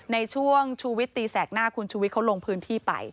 ในช่วงชูวิตตีแสกหน้าคุณชูวิทยเขาลงพื้นที่ไป